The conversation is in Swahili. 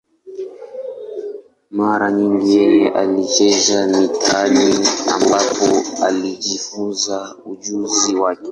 Mara nyingi yeye alicheza mitaani, ambapo alijifunza ujuzi wake.